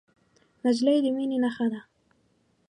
نجلۍ د مینې نښه ده.